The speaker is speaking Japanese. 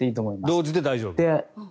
同時で大丈夫。